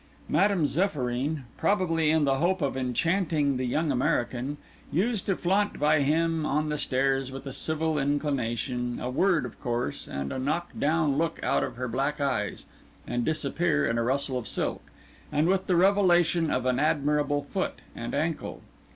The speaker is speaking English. Madame Zéphyrine, probably in the hope of enchanting the young American, used to flaunt by him on the stairs with a civil inclination, a word of course, and a knock down look out of her black eyes, and disappear in a rustle of silk, and with the revelation of an admirable foot and ankle.